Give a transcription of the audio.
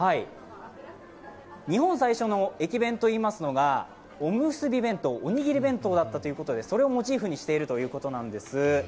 日本最初の駅弁といいますのが、おむすび弁当、おにぎり弁当だったということで、それをモチーフにしているということなんです。